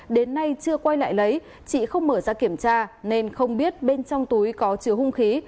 đến nay chưa quay lại lấy chị không mở ra kiểm tra nên không biết bên trong túi có chứa hung khí